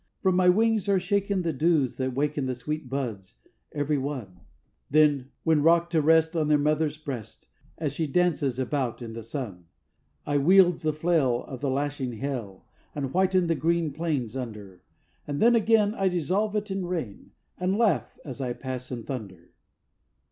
From my wings are shaken the dews that waken The sweet buds everyone, When rocked to rest on their mother's breast As she dances about in the sun, I wield the flail of the lashing hail And whiten the green plains under; And then again I dissolve it in rain And laugh as I pass in thunder.